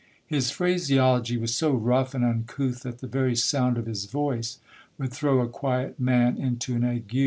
His phraseology was so rough and uncouth that the very sound of his voice would throw a quiet man into an ague.